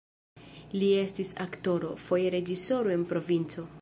Li estis aktoro, foje reĝisoro en provinco.